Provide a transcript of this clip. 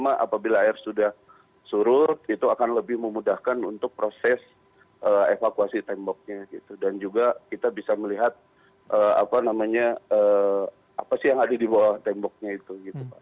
apa sih yang ada di bawah temboknya itu